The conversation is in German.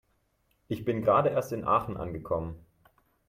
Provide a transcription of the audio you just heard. Ich bin gerade erst in Aachen angekommen